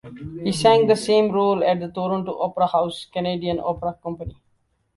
He sang the same role at the Toronto Opera House Canadian Opera Company.